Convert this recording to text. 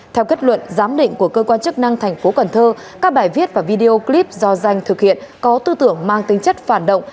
theo kết luận giám định của cơ quan chức năng tp cn các bài viết và video clip do danh thực hiện có tư tưởng mang tính chất phản động